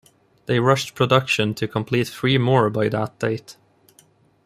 They rushed production to complete three more by that date.